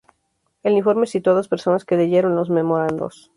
El informe citó a dos personas que leyeron los memorandos.